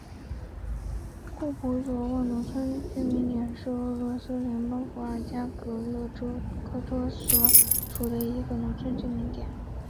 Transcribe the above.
库普佐沃农村居民点是俄罗斯联邦伏尔加格勒州科托沃区所属的一个农村居民点。